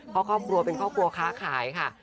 เพราะครอบครัวเป็นครอบครัวค้าขายค่ะ